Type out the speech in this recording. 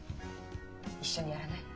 一緒にやらない？